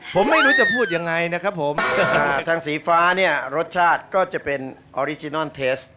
ผมไม่รู้จะพูดยังไงนะครับผมทางสีฟ้าเนี่ยรสชาติก็จะเป็นออริจินอนเทส